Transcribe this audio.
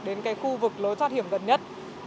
đến khu vực lối thoát hiểm gần nhất